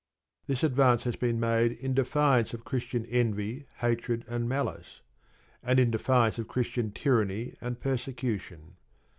This advance has been made in defiance of Christian envy, hatred, and malice, and in defiance of Christian tyranny and persecution.